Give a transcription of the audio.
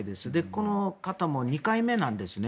この方も２回目なんですね。